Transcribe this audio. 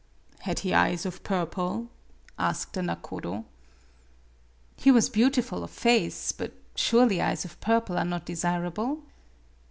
" Had he eyes of purple ?" asked the nakodo. "He was beautiful of face; but surely eyes of purple are not desirable